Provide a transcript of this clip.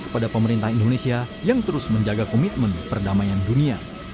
kepada pemerintah indonesia yang terus menjaga komitmen perdamaian dunia